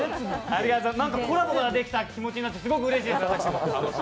なんかコラボができた気持ちになって、すごくうれしい。